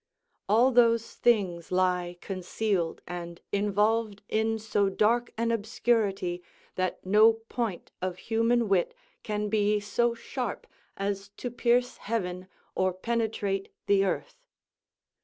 _ "All those things lie concealed and involved in so dark an obscurity that no point of human wit can be so sharp as to pierce heaven or penetrate the earth."